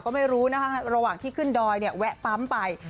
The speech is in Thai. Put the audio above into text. ก็ไม่รู้นะคะระหว่างที่ขึ้นดอยเนี่ยแวะปั๊มไป